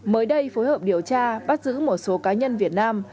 mới đây phối hợp điều tra bắt giữ một số cá nhân việt nam